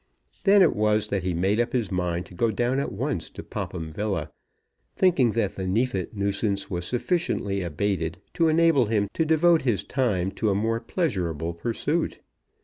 Then it was that he made up his mind to go down at once to Popham Villa, thinking that the Neefit nuisance was sufficiently abated to enable him to devote his time to a more pleasurable pursuit.